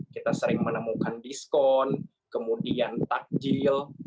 kita sering menemukan diskon kemudian takjil